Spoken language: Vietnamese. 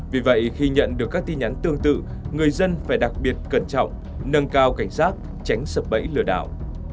vì vậy khi nhận được các tin nhắn tương tự người dân phải đặc biệt cẩn trọng nâng cao cảnh giác tránh sập bẫy lừa đảo